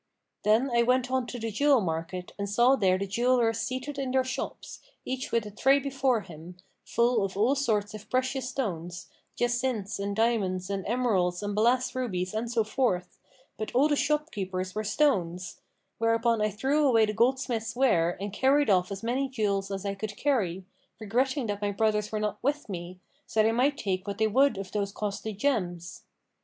Then I went on to the jewel market and saw there the jewellers seated in their shops, each with a tray before him, full of all sorts of precious stones, jacinths and diamonds and emeralds and balass rubies and so forth: but all the shop keepers were stones; whereupon I threw away the goldsmiths' ware and carried off as many jewels as I could carry, regretting that my brothers were not with me, so they might take what they would of those costly gems.